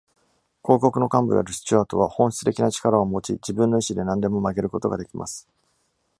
広告の幹部であるスチュアートは、本質的な力を持ち、自分の意志で何でも曲げることができます。